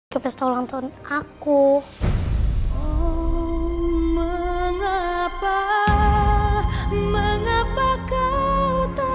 ke pesta ulang tahun aku